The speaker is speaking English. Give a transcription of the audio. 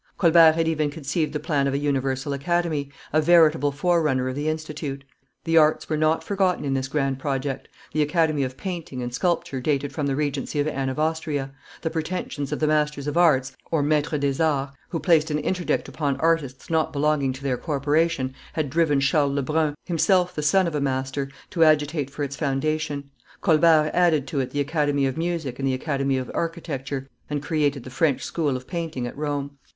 Colbert had even conceived the plan of a Universal Academy, a veritable forerunner of the Institute. The arts were not forgotten in this grand project; the academy of painting and sculpture dated from the regency of Anne of Austria; the pretensions of the Masters of Arts (maitres is arts), who placed an interdict upon artists not belonging to their corporation, had driven Charles Lebrun, himself the son of a Master, to agitate for its foundation; Colbert added to it the academy of music and the academy of architecture, and created the French school of painting at Rome.